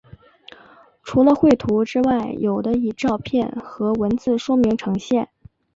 除了绘图之外有的以照片和文字说明呈现。